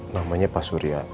namanya pak surya